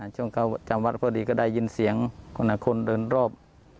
ช่วงเขาจำวัดพอดีก็ได้ยินเสียงคนละคนเดินรอบ